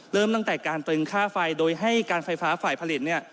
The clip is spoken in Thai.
เริ่มตั้งแต่การตึงค่าไฟโดยให้การไฟฟ้าฝ่ายผลิตเนี่ย